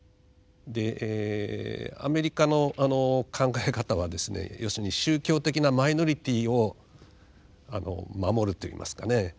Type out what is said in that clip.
でアメリカの考え方はですね要するに宗教的なマイノリティーを守るといいますかね。